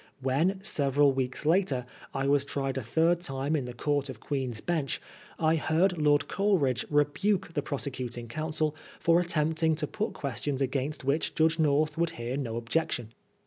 When, several weeks later, I was tried a third time in the Court of Queen's Bench, I heard Lord Coleridge rebuke the prosecuting counsel for attempting to put questions against which Judge North would hear no objection.